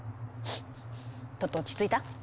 トット落ち着いた？